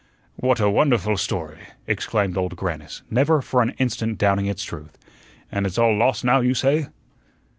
"What a wonderful story!" exclaimed Old Grannis, never for an instant doubting its truth. "And it's all lost now, you say?"